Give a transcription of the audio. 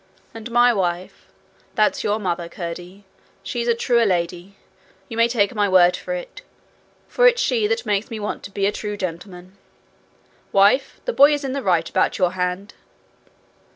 And my wife, that's your mother, Curdie, she's a true lady, you may take my word for it, for it's she that makes me want to be a true gentleman. Wife, the boy is in the right about your hand.'